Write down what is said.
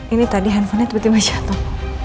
ini tadi handphonenya tiba tiba shotop